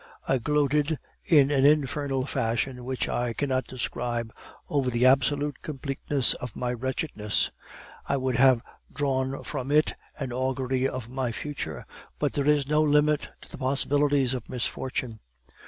I gloated in an infernal fashion which I cannot describe over the absolute completeness of my wretchedness. I would have drawn from it an augury of my future, but there is no limit to the possibilities of misfortune.